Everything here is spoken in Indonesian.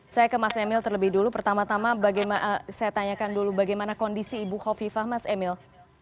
saya ke mas emil terlebih dulu pertama tama saya tanyakan dulu bagaimana kondisi ibu hovifah mas emil